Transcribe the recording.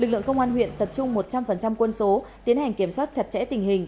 lực lượng công an huyện tập trung một trăm linh quân số tiến hành kiểm soát chặt chẽ tình hình